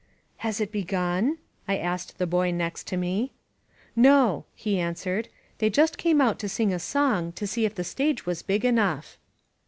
"Has it begun ?'^' 'I: asked a boy next to me. No," he answered; "they just came out to sing a song to see if the stage was big enough."